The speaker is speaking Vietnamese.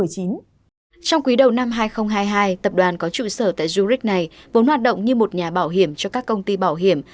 trong quý đầu năm hai nghìn hai mươi hai tập đoàn có trụ sở tại jurik này vốn hoạt động như một nhà bảo hiểm cho các công ty bảo hiểm